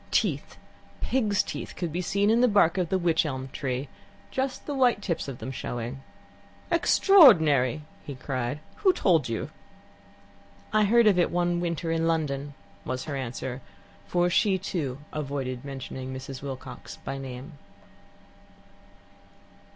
Teeth, pigs' teeth, could be seen in the bark of the wych elm tree just the white tips of them showing. "Extraordinary!" he cried. "Who told you?" "I heard of it one winter in London," was her answer, for she, too, avoided mentioning Mrs. Wilcox by name.